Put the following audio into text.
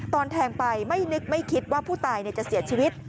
ตอนแทงไปไม่นึกไม่คิดว่าผู้ตายจะเสียชีวิต